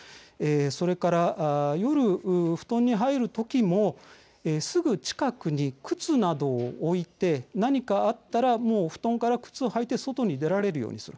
それから夜、布団に入るときもすぐ近くに靴などを置いて何かあったら布団から靴を履いて外に出られるようにする。